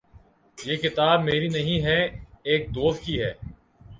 یہ کتاب میری نہیں ہے۔ ایک دوست کی ہے